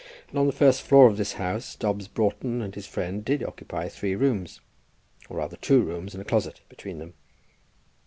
And on the first floor of this house Dobbs Broughton and his friend did occupy three rooms, or rather two rooms and a closet between them.